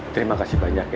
terima kasih banyak ya